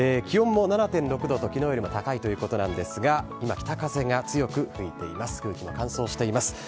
気温も７．６度と、きのうよりも高いということなんですが、今、北風が強く吹いています。